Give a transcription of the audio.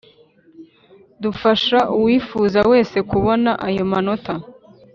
dufasha uwifuza wese kubona ayo manota